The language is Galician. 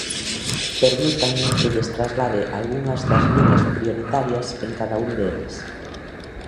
Permítanme que lles traslade algunhas das liñas prioritarias en cada un deles.